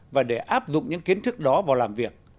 và để áp dụng những kiến thức đó vào làm việc